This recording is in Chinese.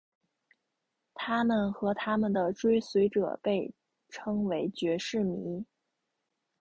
他们和他们的追随者被称为爵士迷。